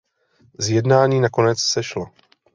Z jednání nakonec sešlo.